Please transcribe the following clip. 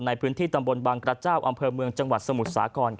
ในพื้นที่ตำบลบางกระเจ้าอำเภอเมืองจังหวัดสมุทรสาคร